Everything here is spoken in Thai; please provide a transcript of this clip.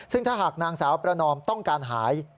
ซึ่งถ้าหากนางสาวประนอมต้องการหาย